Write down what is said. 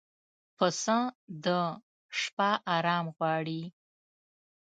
پسه د شپه آرام غواړي.